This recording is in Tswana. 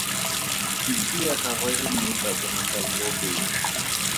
Pitse ya gagwe e ne e taboga ka lobelo.